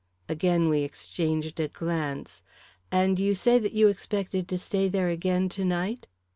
Again we exchanged a glance. "And you say that you expected to stay there again to night?"